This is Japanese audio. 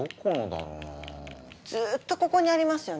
ずっとここにありますよね。